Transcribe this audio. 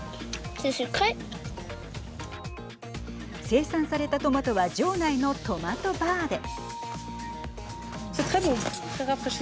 生産されたトマトは城内のトマトバーで。